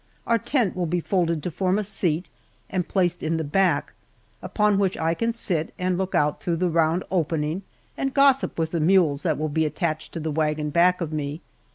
Our tent will be folded to form a seat and placed in the back, upon which I can sit and look out through the round opening and gossip with the mules that will be attached to the wagon back of me.